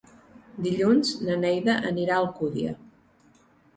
Dilluns na Neida anirà a Alcúdia.